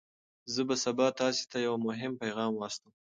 زه به سبا تاسي ته یو مهم پیغام واستوم.